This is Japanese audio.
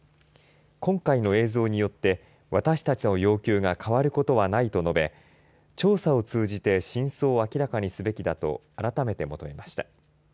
今回の映像によって、私たちの要求が変わることはないと述べ調査を通じて真相を明らかにすべきだと改めて求めました。